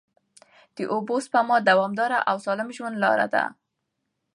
د اوبو سپما د دوامدار او سالم ژوند لاره ده.